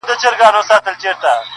د نيمي شپې د خاموشۍ د فضا واړه ستـوري.